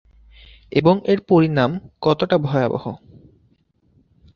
এবং এর পরিণাম কতটা ভয়াবহ।